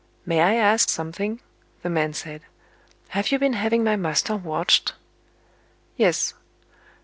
"May I ask something?" the man said. "Have you been having my master watched?" "Yes."